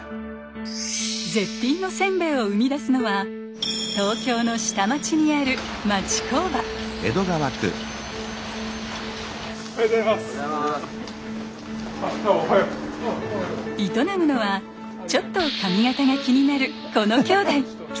絶品のせんべいを生み出すのは東京の下町にある営むのはちょっと髪形が気になるこの兄弟。